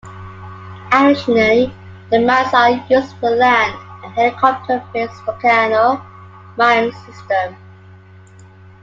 Additionally the mines are used with the land- and helicopter-based Volcano mine system.